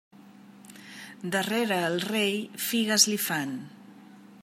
Darrere el rei, figues li fan.